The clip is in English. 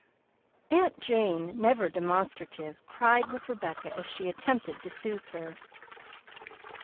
Aunt Jane, never demonstrative, cried with Rebecca as she attempted to soothe her.